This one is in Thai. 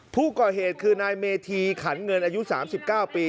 ผู้ก่อเหตุคือนายเมธีขันเงินอายุ๓๙ปี